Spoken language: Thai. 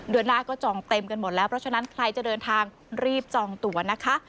เดือนหน้าก็จองเต็มกันหมดแล้วเพราะฉะนั้นใครจะเดินทางรีบจองตัวนะคะ